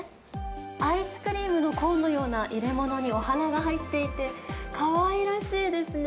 アイスクリームのコーンのような入れ物にお花が入っていて、かわいらしいですね。